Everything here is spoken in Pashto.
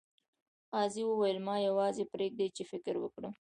قاضي وویل ما یوازې پریږدئ چې فکر وکړم.